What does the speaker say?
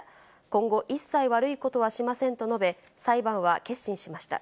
今後、一切悪いことはしませんと述べ、裁判は結審しました。